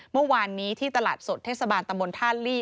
เมื่อวานนี้ที่ตลาดสดเทศบาลตำบลท่าลี่